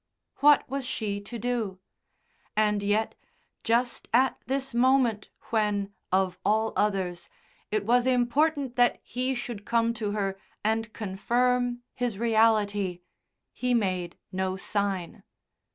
What was she to do? And yet just at this moment when, of all others, it was important that he should come to her and confirm his reality he made no sign.